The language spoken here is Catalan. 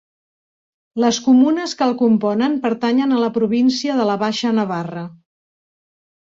Les comunes que el componen pertanyen a la província de la Baixa Navarra.